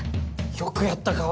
よくやった川合！